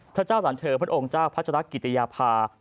พระเจ้าหลานเธอพระองค์เจ้าพัชรกิติยาภา